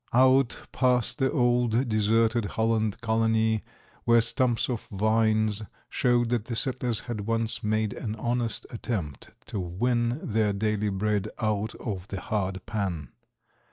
Out past the old, deserted Holland Colony, where stumps of vines showed that the settlers had once made an honest attempt to win their daily bread out of the hard pan.